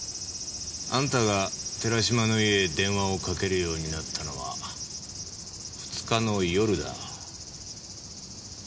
あんたが寺島の家へ電話をかけるようになったのは２日の夜だ。